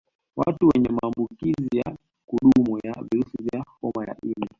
Watu wenye maambukizi ya kudumu ya virusi vya homa ya ini